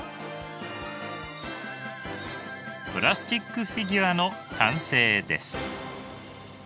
プラスチックフィギュアの完成です。